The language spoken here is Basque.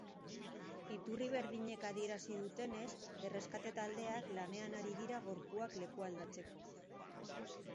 Iturri berdinek adierazi dutenez, erreskate taldeak lanean ari dira gorpuak lekualdatzeko.